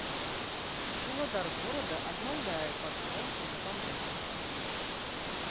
Уладар горада адмаўляе паслом у дапамозе.